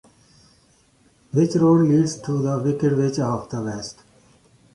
Which road leads to the Wicked Witch of the West?